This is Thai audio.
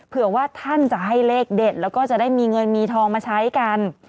เผื่อว่าท่านจะให้เลขเด็ดแล้วก็จะได้มีเงินมีทองมาใช้กัน